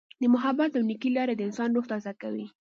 د محبت او نیکۍ لارې د انسان روح تازه کوي.